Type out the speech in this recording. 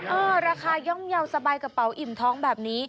ราคาย่อมเยาว์สบายกระเป๋าอิ่มท้องแบบนี้